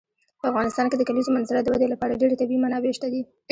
په افغانستان کې د کلیزو منظره د ودې لپاره ډېرې طبیعي منابع شته دي.